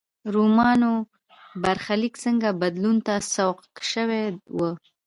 رومیانو برخلیک څنګه بدلون ته سوق شوی و.